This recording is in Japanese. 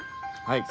はい。